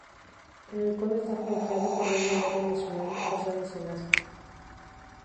El halcón está flanqueado por dos banderas nacionales pasadas en aspa.